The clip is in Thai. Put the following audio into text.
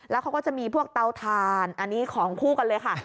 แล้วเขาก็จะมีพวกเตาถ่านอันนี้ของคู่กันเลยค่ะ